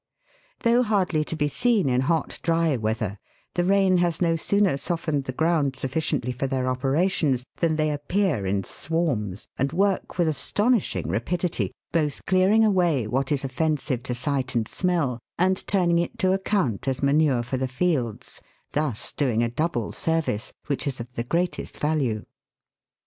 Though hardly to be seen in hot, dry weather, the rain has no sooner softened the ground sufficiently for their operations than they appear in swarms, and work with astonishing rapidity, both clearing away what is offensive to sight and smell, and turning it to account as manure for the fields, thus doing a double service, which is of the greatest value.